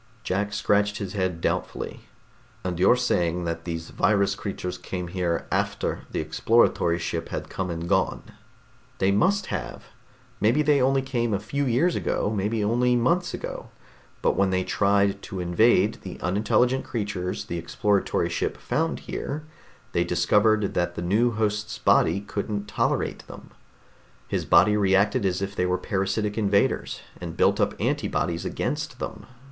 Jack scratched his head doubtfully. "And you're saying that these virus creatures came here after the exploratory ship had come and gone?" "They must have! Maybe they only came a few years ago, maybe only months ago. But when they tried to invade the unintelligent creatures the exploratory ship found here, they discovered that the new host's body couldn't tolerate them. His body reacted as if they were parasitic invaders, and built up antibodies against them.